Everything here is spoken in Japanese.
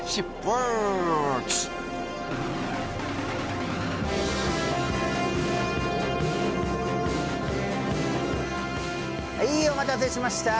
はいお待たせしました！